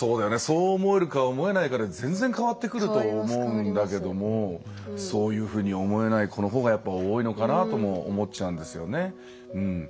そう思えるか思えないかで全然変わってくると思うんだけどもそういうふうに思えない子のほうがやっぱ多いのかなとも思っちゃうんですよね。